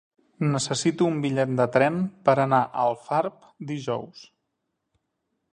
Necessito un bitllet de tren per anar a Alfarb dijous.